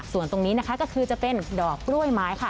ส่วนตรงนี้นะคะก็คือจะเป็นดอกกล้วยไม้ค่ะ